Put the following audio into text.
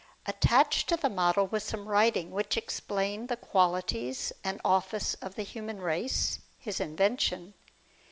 Attached to the model was some writing which explained the qualities and office of the human race, his invention.